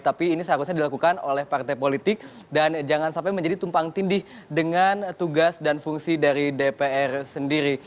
tapi ini seharusnya dilakukan oleh partai politik dan jangan sampai menjadi tumpang tindih dengan tugas dan fungsi dari dpr sendiri